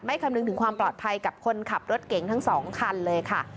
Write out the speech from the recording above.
คำนึงถึงความปลอดภัยกับคนขับรถเก๋งทั้ง๒คันเลยค่ะ